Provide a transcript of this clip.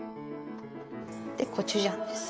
でコチュジャンです。